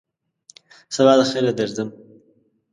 سبا دخیره درځم !